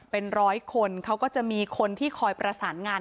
เป็นร้อยคนเขาก็จะมีคนที่คอยประสานงาน